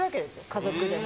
家族でも。